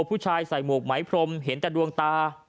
ผู้ชายใส่หมวกไหมพรมเห็นแต่ดวงตา